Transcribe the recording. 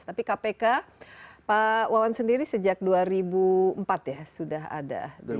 tapi kpk pak wawan sendiri sejak dua ribu empat ya sudah ada